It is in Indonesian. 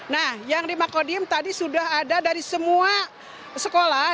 nah yang di makodim tadi sudah ada dari semua sekolah